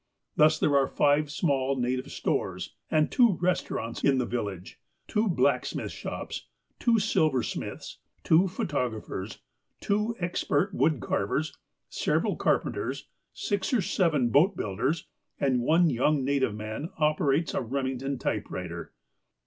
Thus, there are five small native stores, and two restaurants in the village, two blacksmiths' shops, two silversmiths, two photographers, two expert wood carvers, several carpen ters, six or seven boat builders, and one young native man operates a Eemington typewriter.